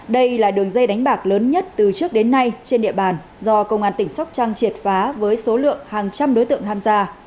đây là đường dây đánh bạc lớn nhất từ trước đến nay trên địa bàn do công an tỉnh sóc trăng triệt phá với số lượng hàng trăm đối tượng tham gia